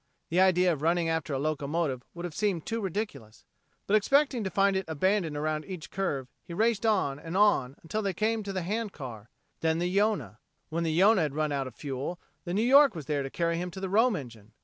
The idea of running after a locomotive would have seemed too ridiculous. But, expecting to find it abandoned around each curve, he raced on and on until they came to the hand car; then the Yonah. When the Yonah had run out of fuel, the New York was there to carry him to the Rome engine.